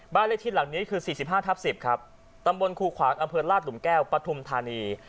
บ้านเลขทิศหลังนี้คือ๔๕ทับ๑๐ครับตำบลคู่ขวางอเภิลราชหลุมแก้วปทุมธานี